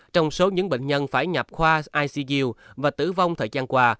trong số những bệnh nhân phải nhập khoa icu và tử vong thời gian qua